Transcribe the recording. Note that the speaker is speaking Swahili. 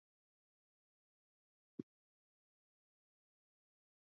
kuboreshwa kwa msikiti mkubwa na kujengwa kwa soko la Husuni Ndogo kulipofanyika anasema Mtemi